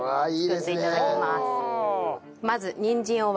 はい。